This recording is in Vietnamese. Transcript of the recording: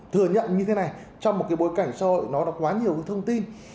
thừa nhận như thế này trong một cái bối cảnh xã hội nó quá nhiều cái thông tin